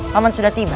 pak man sudah tiba